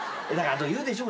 言うでしょ。